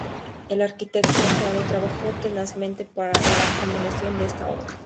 El arquitecto Haedo trabajó tenazmente para la culminación de esta obra.